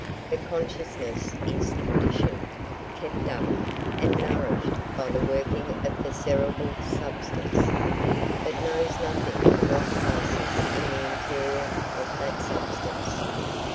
The consciousness is conditioned, kept up, and nourished by the working of the cerebral substance, but knows nothing of what passes in the interior of that substance.